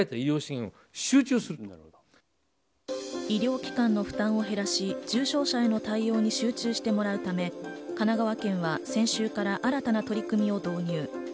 医療機関の負担を減らし重症者への対応に集中してもらうため、神奈川県は先週から新たな取り組みを導入。